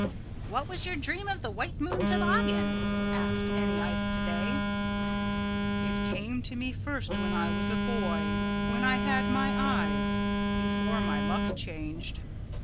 '" "What was your dream of the white moon toboggan?" asked Any Ice Today. "It came to me first when I was a boy, when I had my eyes, before my luck changed.